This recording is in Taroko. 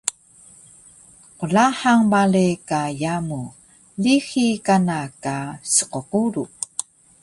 Qlahang bale ka yamu, lixi kana ka sqquru